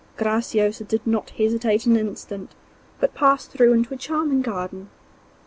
Graciosa did not hesitate an instant, but passed through into a charming garden.